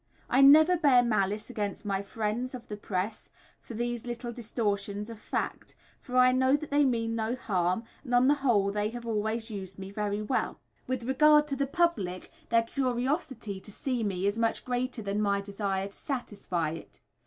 I never bear malice against my friends of the press for these little distortions of fact, for I know that they mean no harm, and on the whole they have always used me very well. With regard to the public, their curiosity to see me is much greater than my desire to satisfy it.